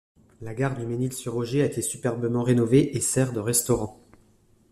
La gare du Mesnil-sur-Oger a été superbement rénovée et sert de restaurant.